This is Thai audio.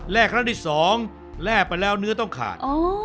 แร่ครั้งที่สองแร่ไปเนื้อต้องขาด